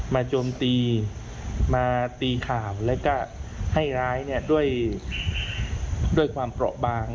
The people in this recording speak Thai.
โจมตีมาตีข่าวแล้วก็ให้ร้ายด้วยความเปราะบาง